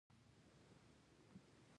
زه د سندرو پروګرام خوښوم.